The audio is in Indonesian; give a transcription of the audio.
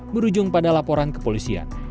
merujung pada laporan kepolisian